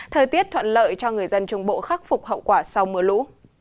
thời tiết thuận lợi cho người dân trung bộ khắc phục hậu quả sau mưa lũ